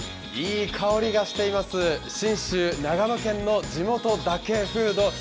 いい香りがしています、信州、長野県の地元だけフード。